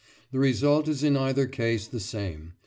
The result is in either case the same.